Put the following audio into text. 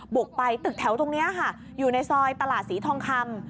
บุกไปตึกแถวตรงนี้ค่ะอยู่ในซอยตลาดศรีทองคำ